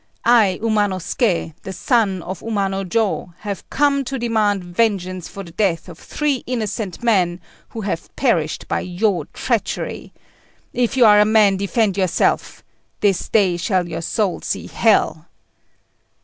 I, Umanosuké, the son of Umanojô, have come to demand vengeance for the death of three innocent men who have perished by your treachery. If you are a man, defend yourself. This day shall your soul see hell!"